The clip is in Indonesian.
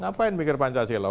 ngapain mikir pancasila